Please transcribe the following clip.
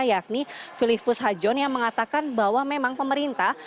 yakni filipus hajon yang mengatakan bahwa memang pemerintah